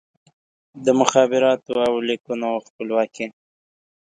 د مخابراتو او لیکونو خپلواکي